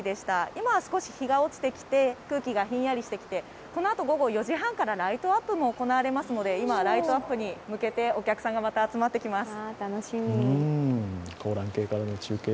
今は少し日が落ちてきて空気がひんやりしてきてこのあと午後４時半からライトアップも行われますので今、ライトアップに向けてお客さんがまた集まってきます。